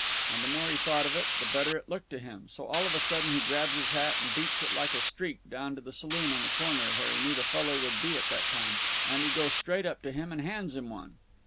And the more he thought of it, the better it looked to him, so all of a sudden he grabs his hat and beats it like a streak down to the saloon on the corner, where he knew the feller would be at that time, and he goes straight up to him and hands him one.